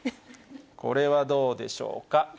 これはどうでしょうか。